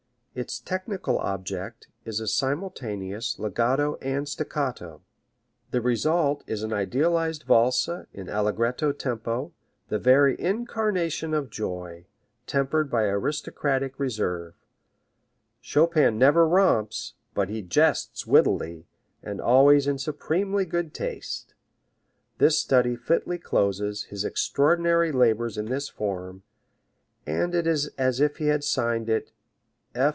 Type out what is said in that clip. Its technical object is a simultaneous legato and staccato. The result is an idealized Valse in allegretto tempo, the very incarnation of joy, tempered by aristocratic reserve. Chopin never romps, but he jests wittily, and always in supremely good taste. This study fitly closes his extraordinary labors in this form, and it is as if he had signed it "F.